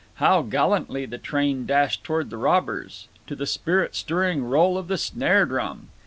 How gallantly the train dashed toward the robbers, to the spirit stirring roll of the snare drum.